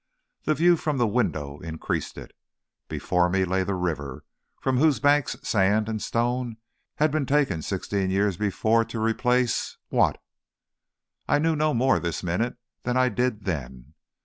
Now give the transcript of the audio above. The view from the window increased it. Before me lay the river from whose banks sand and stone had been taken sixteen years before to replace what? I knew no more this minute than I did then.